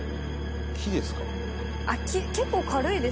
木ですか？